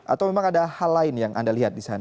atau memang ada hal lain yang anda lihat di sana